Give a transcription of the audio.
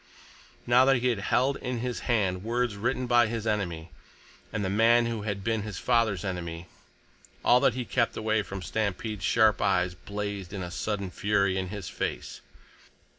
Now that he held in his hand words written by his enemy, and the man who had been his father's enemy, all that he had kept away from Stampede's sharp eyes blazed in a sudden fury in his face.